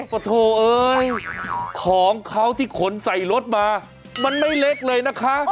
ปะโถเอ้ยของเขาที่ขนใส่รถมามันไม่เล็กเลยนะคะ